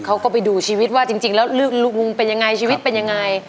เขาก็ไปดูชีวิตว่าจริงแล้วลูกมุมเป็นอย่างไรชีวิตเป็นอย่างไร